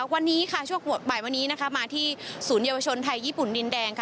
วันนี้ช่วงบ่ายวันนี้มาที่ศูนยวชนไทยญี่ปุ่นดินแดง